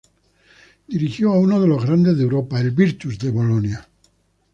Dirigió a uno de los grandes de Europa, el Virtus de Bolonia.